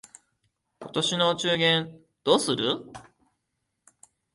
今年のお中元どうする？